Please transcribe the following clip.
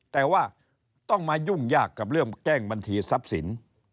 แต่ว่าต้องมายุ่งยากกับเรื่องแจ้งบัญชีทรัพย์สิน